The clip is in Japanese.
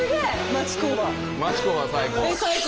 町工場最高！